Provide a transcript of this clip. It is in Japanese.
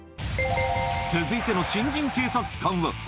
続いての新人警察官は。